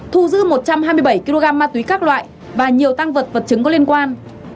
thu giữ một trăm hai mươi bảy kg ma túy các loại và nhiều tăng vật vật chứng có liên quan